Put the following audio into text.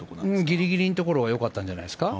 ギリギリのところがよかったんじゃないですか。